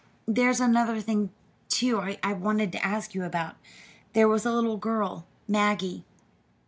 "There's another thing, too, I wanted to ask you about. There was a little girl, Maggie.